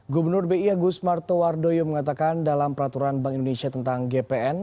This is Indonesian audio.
gubernur bi agus martowardoyo mengatakan dalam peraturan bank indonesia tentang gpn